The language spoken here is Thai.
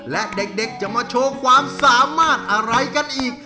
และเด็กจะมาโชว์ความสามารถอะไรกันอีก